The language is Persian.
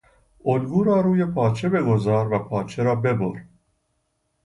الگو را روی پارچه بگذار و پارچه را ببر!